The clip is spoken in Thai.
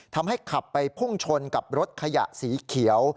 ทำให้ขับไปพุ่งชนกับรถขยะสีเขียว